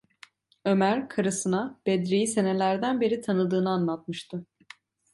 Ömer, karısına Bedri’yi senelerden beri tanıdığını anlatmıştı.